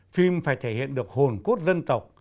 phim phải thể hiện được hồn cốt dân tộc